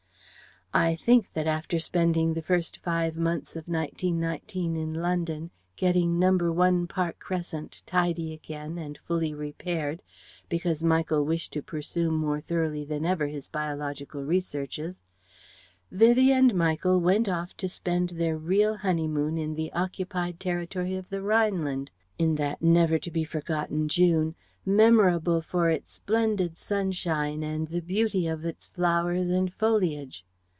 I think that after spending the first five months of 1919 in London, getting No. 1 Park Crescent tidy again and fully repaired (because Michael wished to pursue more thoroughly than ever his biological researches), Vivie and Michael went off to spend their real honeymoon in the Occupied Territory of the Rhineland, in that never to be forgotten June, memorable for its splendid sunshine and the beauty of its flowers and foliage.